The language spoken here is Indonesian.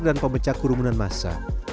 dan pemecah kurumunan masa